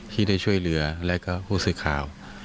ที่ได้ช่วยเรือแล้วก็ฮูศิคาว